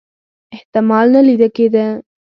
احتمال نه لیده کېدی.